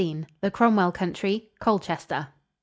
XV THE CROMWELL COUNTRY. COLCHESTER.